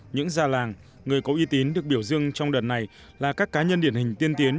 những già làng người có uy tín được biểu dương trong đợt này là các cá nhân điển hình tiên tiến